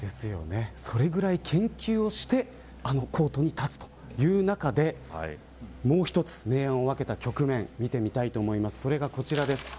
そのぐらい研究してあのコートに立つという中でもう一つ明暗を分けた局面、見てみます。